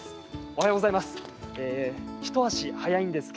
おはようございます。